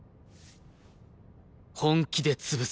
本気で潰す。